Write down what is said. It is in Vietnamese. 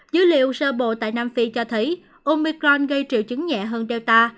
dữ liệu sơ bộ tại nam phi cho thấy omicron gây triệu chứng nhẹ hơnel delta